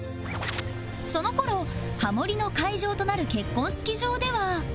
その頃ハモりの会場となる結婚式場では